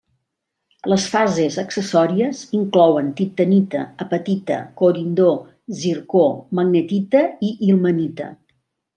Les fases accessòries inclouen titanita, apatita, corindó, zircó, magnetita i ilmenita.